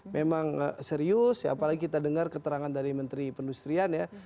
memang serius ya apalagi kita dengar keterangan dari menteri pendustrian ya